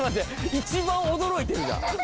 一番おどろいてるじゃん。